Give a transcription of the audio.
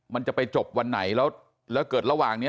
มันจะไปจบวันไหนแล้วแล้วเกิดระหว่างนี้